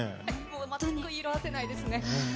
本当に色あせないですね。